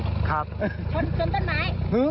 ชนต้นไม้